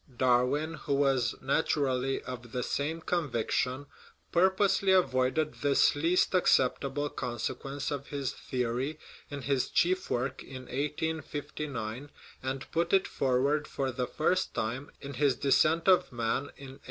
Darwin, who was, naturally, of the same conviction, purposely avoided this least accepta ble consequence of his theory in his chief work in 1859, and put it forward for the first time in his Descent of Man in 1871.